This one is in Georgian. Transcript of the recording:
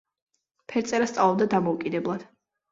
ფერწერას სწავლობდა დამოუკიდებლად.